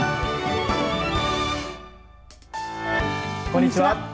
こんにちは。